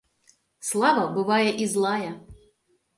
Слава бывае і злая.